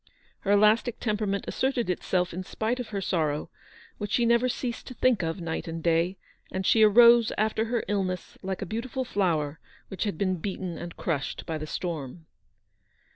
Her elastic temperament asserted itself in spite of her sorrow, which she never ceased to think of night and day, and she arose after her illness like a beautiful flower which had been beaten and crushed by the storm.